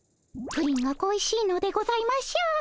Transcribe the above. プリンが恋しいのでございましょう。